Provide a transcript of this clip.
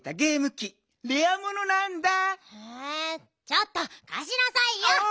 ちょっとかしなさいよ。